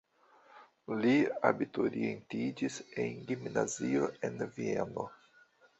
Li abiturientiĝis en gimnazio en Vieno.